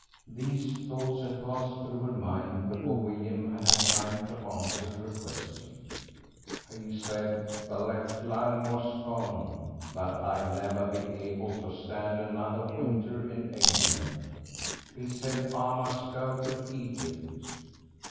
These thoughts had passed through her mind before William had had time to answer her question. "He said the left lung was gone, that I'd never be able to stand another winter in England. He said I must go to Egypt."